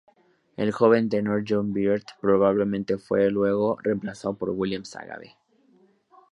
El joven tenor John Beard probablemente fue luego reemplazado por William Savage.